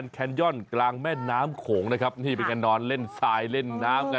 แคนย่อนกลางแม่น้ำโขงนะครับนี่เป็นการนอนเล่นทรายเล่นน้ำกัน